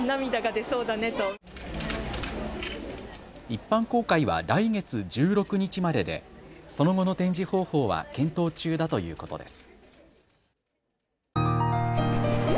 一般公開は来月１６日まででその後の展示方法は検討中だということです。